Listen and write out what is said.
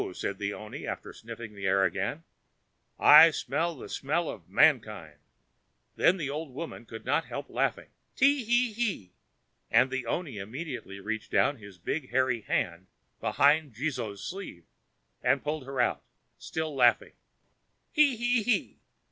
said the oni after snuffing the air again; "I smell a smell of mankind." Then the old woman could not help laughing—"Te he he!"—and the oni immediately reached down his big hairy hand behind Jizō's sleeve, and pulled her out—still laughing, "_Te he he!